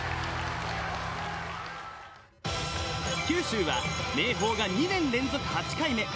九州は明豊が２年連続８回目。